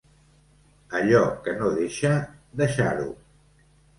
Allò que no deixa, deixar-ho.